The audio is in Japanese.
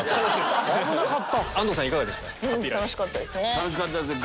楽しかったですね。